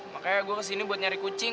makanya gue kesini buat nyari kucing